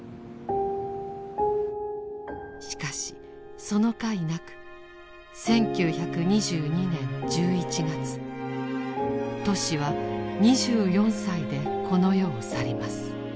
しかしそのかいなく１９２２年１１月トシは２４歳でこの世を去ります。